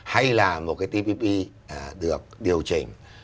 hay là một cái tpp được điều chỉnh